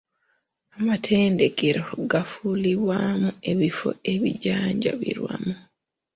Amatendekero gaakufuulibwamu ebifo ebijjanjabirwamu.